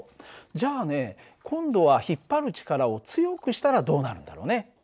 じゃあね今度は引っ張る力を強くしたらどうなるんだろうね？